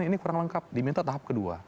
ini kurang lengkap diminta tahap kedua